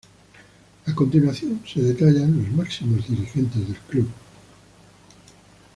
A continuación se detallan los máximos dirigentes del club.